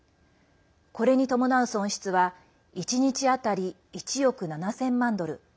これに伴う損失は１日当たり１億７０００万ドル。